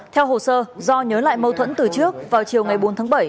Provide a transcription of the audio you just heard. theo hồ sơ do nhớ lại mâu thuẫn từ trước vào chiều ngày bốn tháng bảy